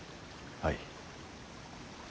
はい。